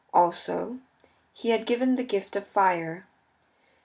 Also he had given them the gift of fire.